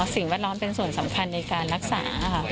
สิ่งแวดล้อมเป็นส่วนสำคัญในการรักษาค่ะ